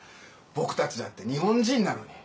僕たちだって日本人なのに。